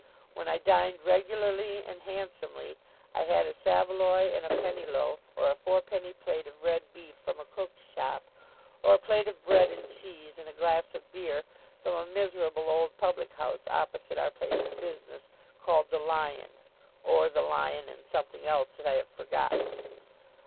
When I dined regularly and handsomely, I had a saveloy and a penny loaf, or a fourpenny plate of red beef from a cook's shop; or a plate of bread and cheese and a glass of beer, from a miserable old public house opposite our place of business, called the Lion, or the Lion and something else that I have forgotten.